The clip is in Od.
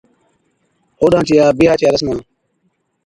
اوڏان چِيا بِيھا چِيا رسما